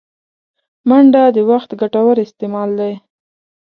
منډه د وخت ګټور استعمال دی